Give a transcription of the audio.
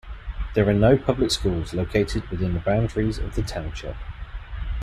There are no public schools located within the boundaries of the township.